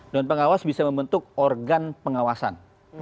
dewan pengawas bisa membentuk organ pengawasan